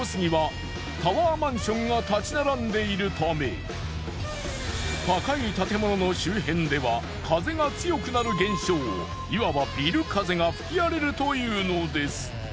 お母さんいわく高い建物の周辺では風が強くなる現象いわばビル風が吹き荒れるというのです。